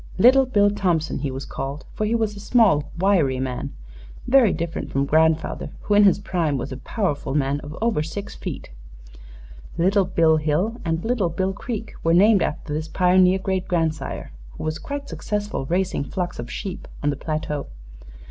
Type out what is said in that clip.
'Little Bill Thompson,' he was called, for he was a small, wiry man very different from grandfather, who in his prime was a powerful man of over six feet. Little Bill Hill and Little Bill Creek were named after this pioneer great grandsire, who was quite successful raising flocks of sheep on the plateau.